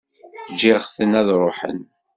Ǧǧiɣ-ten ad ṛuḥen.